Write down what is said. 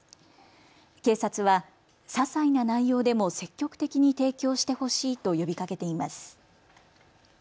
警察はささいな内容でも積極的に提供してほしいと呼びかけています。